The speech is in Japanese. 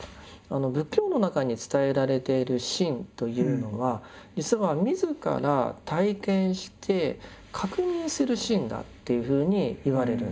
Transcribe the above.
仏教の中に伝えられている「信」というのは実は自ら体験して確認する信だっていうふうにいわれるんです。